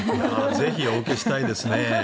ぜひお受けしたいですね。